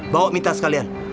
bawa mita sekalian